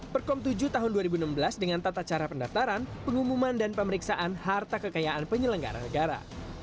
perkom tujuh tahun dua ribu enam belas dengan tata cara pendaftaran pengumuman dan pemeriksaan harta kekayaan penyelenggara negara